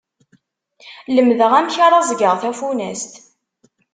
Lemdeɣ amek ara ẓẓgeɣ tafunast.